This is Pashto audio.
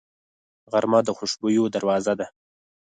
غرمه د خوشبویو دروازه ده